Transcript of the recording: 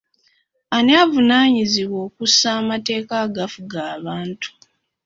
Ani avunaanyizibwa okussa amateeka agafuga abantu?